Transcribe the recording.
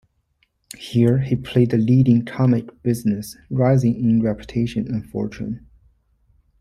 Here he played the leading comic business, rising in reputation and fortune.